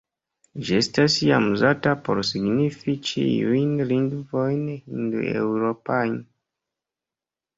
Ĝi estas iam uzata por signifi ĉiujn lingvojn hind-eŭropajn.